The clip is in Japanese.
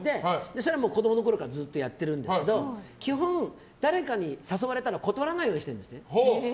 それは子供のころからずっとやってるんですけど基本、誰かに誘われたら断れないようにしてるんですね。